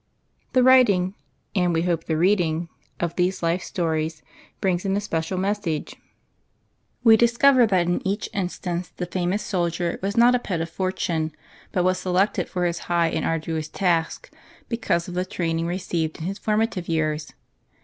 The writing (and, we hope, the reading) of these life stories brings an especial message. We discover that in each instance the famous soldier was not a pet of Fortune, but was selected for his high and arduous task, because of the training received in his formative years.